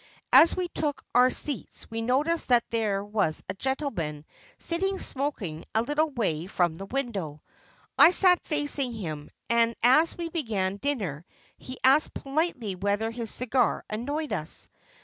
As we took our seats we noticed that there was a gentleman sitting smoking a little way from the window. I sat facing him, and as we began dinner he asked politely whether his cigar annoyed us.